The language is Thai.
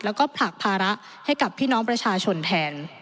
แล้วก็ผลักภาระให้กับพี่น้องประชาชนแทน